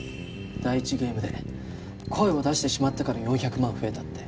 第１ゲームで声を出してしまったから４００万増えたって。